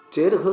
chế được hơn